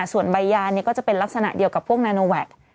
ส่วนใบยาก็จะเป็นลักษณะเดียวกับพวกนาโนแวค